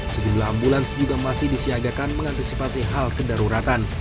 sejumlah ambulans juga masih disiagakan mengantisipasi hal kedaruratan